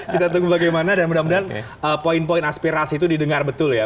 kita tunggu bagaimana dan mudah mudahan poin poin aspirasi itu didengar betul ya